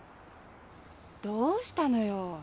どうしたのよ？